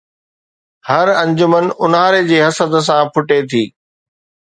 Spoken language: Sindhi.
هر انجمن اونهاري جي حسد سان ڦٽي ٿي